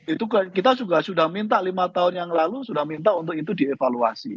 itu kita juga sudah minta lima tahun yang lalu sudah minta untuk itu dievaluasi